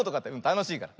たのしいから。